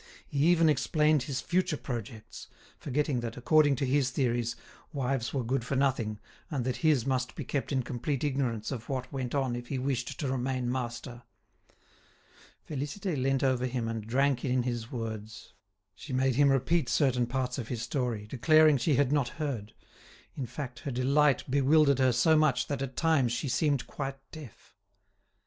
He even explained his future projects, forgetting that, according to his theories, wives were good for nothing, and that his must be kept in complete ignorance of what went on if he wished to remain master. Félicité leant over him and drank in his words. She made him repeat certain parts of his story, declaring she had not heard; in fact, her delight bewildered her so much that at times she seemed quite deaf.